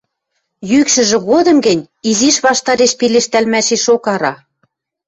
Йӱкшӹжӹ годым гӹнь изиш ваштареш пелештӓлмӓшешок ара.